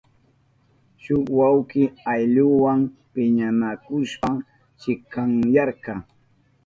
Shuk wawki ayllunwa piñanakushpan chikanyarka.